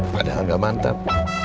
padahal gak mantap